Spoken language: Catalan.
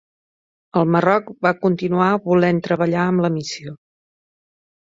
El Marroc va continuar volent treballar amb la missió.